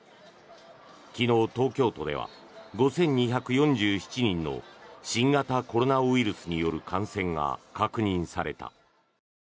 昨日、東京都では５２４７人の新型コロナウイルスによる感染が確認されました。